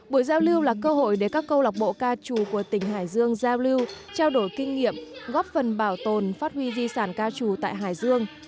buổi giao lưu là cơ hội để các câu lạc bộ ca trù của tỉnh hải dương giao lưu trao đổi kinh nghiệm góp phần bảo tồn phát huy di sản ca trù tại hải dương